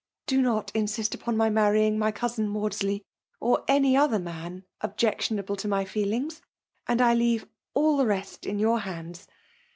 Do not insist upon my marrying my cousin Maudsley, or .any other man objectionable to my fcelingi^, and' I leatve all the rest in your hands.